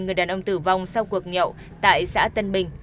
người đàn ông tử vong sau cuộc nhậu tại xã tân bình